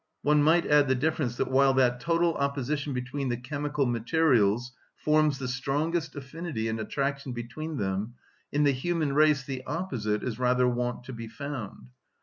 One might add the difference that while that total opposition between the chemical materials forms the strongest affinity and attraction between them, in the human race the opposite is rather wont to be found.